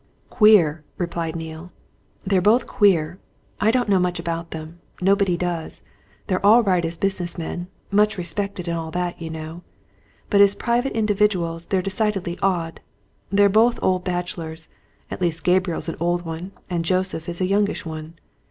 "Queer!" replied Neale. "They're both queer. I don't know much about them. Nobody does. They're all right as business men, much respected and all that, you know. But as private individuals they're decidedly odd. They're both old bachelors, at least Gabriel's an old one, and Joseph is a youngish one.